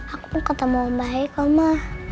aku mau ketemu om baik oma